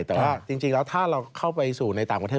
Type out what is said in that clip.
แต่ว่าจริงแล้วถ้าเราเข้าไปสู่ในต่างประเทศ